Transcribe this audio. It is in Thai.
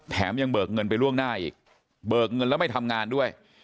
แถมยังเบิกเงินไปล่วงหน้าอีกเบิกเงินแล้วไม่ทำงานด้วย